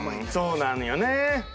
そうなんよね。